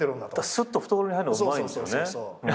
すっと懐に入るのがうまいんですよね。